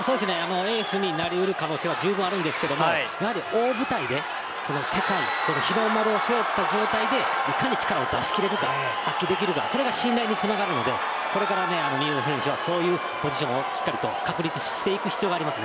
エースになりうる可能性はじゅうぶんにありますが大舞台で世界で、日の丸を背負った状態でいかに力を発揮できるかそれが信頼につながるのでこれからの新添選手はそういったポジションをしっかり確立していく必要があります。